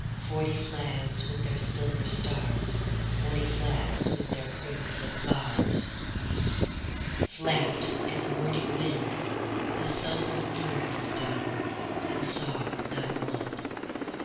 Forty flags with their silver stars, Forty flags with their crimson bars, Flapped in the morning wind: the sunOf noon looked down, and saw not one.